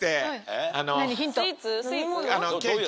スイーツ？